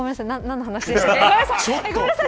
ごめんなさい。